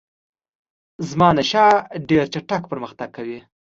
زمانشاه ډېر چټک پرمختګ کاوه.